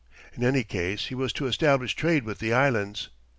In any case he was to establish trade with the Islands.